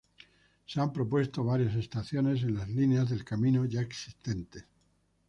Se han propuesto varias estaciones en las líneas del camino ya existentes.